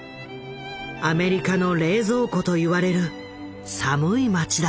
「アメリカの冷蔵庫」と言われる寒い町だ。